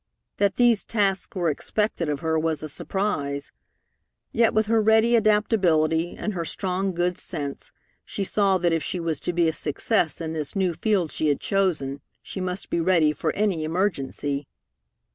That these tasks were expected of her was a surprise. Yet with her ready adaptability and her strong good sense, she saw that if she was to be a success in this new field she had chosen, she must be ready for any emergency.